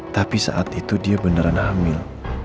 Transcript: tapi saat itu dia beneran hamil